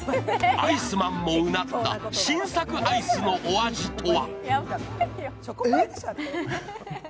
アイスマンもうなった新作アイスのお味とは？